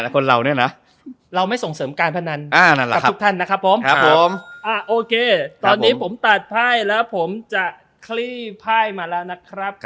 คนเราเนี่ยนะเราไม่ส่งเสริมการพนันอ่านั่นแหละครับ